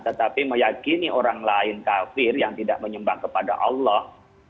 tetapi meyakini orang lain kafir yang tidak menyumbang kepada allah